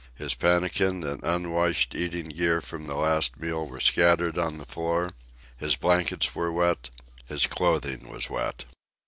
His pannikin and unwashed eating gear from the last meal were scattered on the floor: His blankets were wet, his clothing was wet.